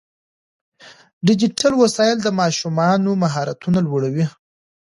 ډیجیټل وسایل د ماشومانو مهارتونه لوړوي.